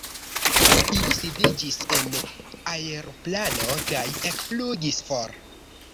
Ili sidiĝis en aeroplano kaj ekflugis for.